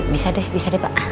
bisa deh bisa deh pak